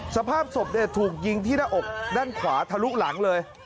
สภาพศพถูกยิงที่หน้าอกด้านขวาทะลุหลังเลย